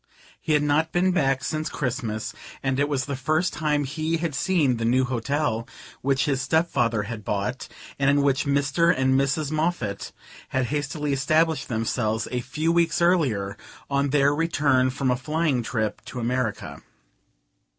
He had not been back since Christmas, and it was the first time he had seen the new hotel which his step father had bought, and in which Mr. and Mrs. Moffatt had hastily established themselves, a few weeks earlier, on their return from a flying trip to America.